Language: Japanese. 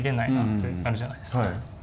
ってなるじゃないですか。